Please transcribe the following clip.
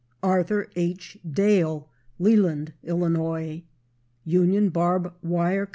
Arthur H. Dale, Leland, Ill. Union Barb Wire Co.